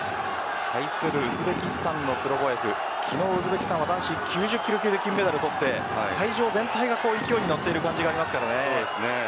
対するウズベキスタンのツロボエフは昨日男子９０キロ級で金メダルを取って会場全体が勢いに乗っている感じがあります。